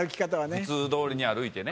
普通通りに歩いてね。